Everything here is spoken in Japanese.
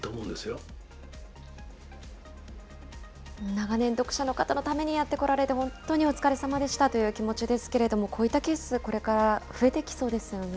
長年、読者の方のためにやってこられて、本当にお疲れさまでしたという気持ちですけれども、こういったケース、これから増えてきそうですよね。